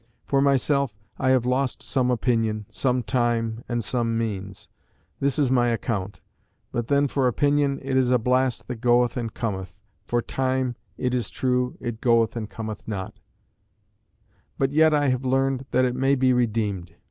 For myself, I have lost some opinion, some time, and some means; this is my account; but then for opinion, it is a blast that goeth and cometh; for time, it is true it goeth and cometh not; but yet I have learned that it may be redeemed.